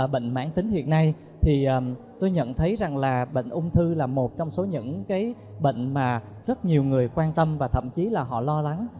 bệnh mãn tính hiện nay thì tôi nhận thấy rằng là bệnh ung thư là một trong số những cái bệnh mà rất nhiều người quan tâm và thậm chí là họ lo lắng